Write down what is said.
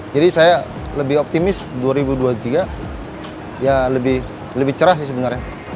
jadi saya lebih optimis dua ribu dua puluh tiga ya lebih cerah sih sebenarnya